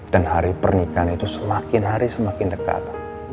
dan hari pernikahan itu semakin hari semakin dekat